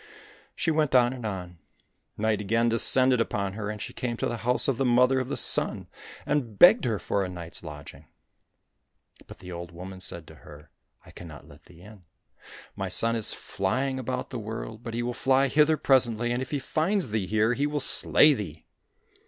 She went on and on. Night again descended upon her, and she came to the house of the Mother of the Sun, and begged her for a night's lodging. But the old woman said to her, " I cannot let thee in. My son is flying about the world, but he will fly hither presently, and if he find thee here he will slay thee